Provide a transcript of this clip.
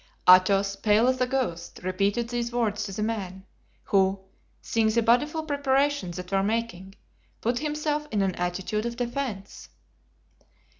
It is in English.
'" Athos, pale as a ghost, repeated these words to the man, who, seeing the bodeful preparations that were making, put himself in an attitude of defense.